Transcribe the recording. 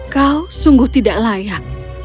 kau sungguh tidak layak